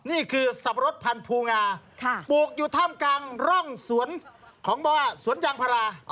นี่คือสับปะรดพันธุ์ภูงาปลูกอยู่ถ้ำกลางร่องสวนยางพรา